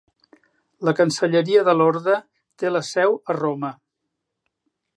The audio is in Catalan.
La cancelleria de l'orde té la seu a Roma.